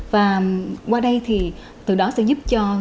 và qua đây thì từ đó sẽ giúp cho